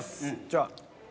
じゃあ。